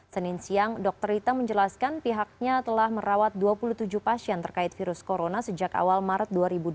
senin siang dr rita menjelaskan pihaknya telah merawat dua puluh tujuh pasien terkait virus corona sejak awal maret dua ribu dua puluh